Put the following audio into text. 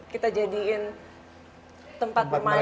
kita jadiin tempat mainnya